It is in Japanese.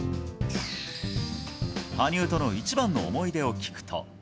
羽生との一番の思い出を聞くと。